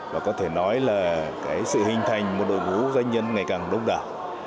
và có thể nói là sự hình thành một đội ngũ doanh nhân ngày càng đông đảo